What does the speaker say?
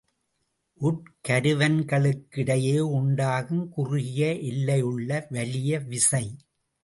உட்கருவன்களுக்கிடையே உண்டாகும் குறுகிய எல்லையுள்ள வலிய விசை.